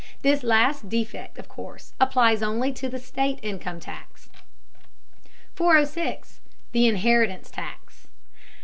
This last defect of course applies only to the state income tax. 406. THE INHERITANCE TAX.